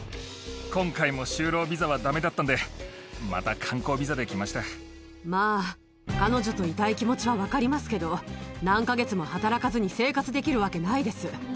今回も就労ビザはだめだったまあ、彼女といたい気持ちは分かりますけど、何か月も働かずに生活できるわけないです。